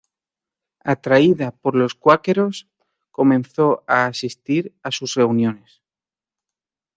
Atraída por los cuáqueros, comenzó a asistir a sus reuniones.